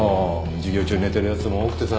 授業中寝ているやつも多くてさ。